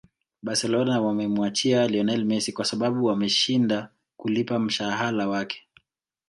barcelona wamemuachia lionel messi kwa sababu wameshinda kulipa mshahala wake